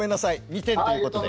２点ということで。